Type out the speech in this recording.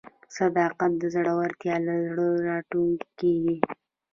صداقت د زړورتیا له زړه راټوکېږي.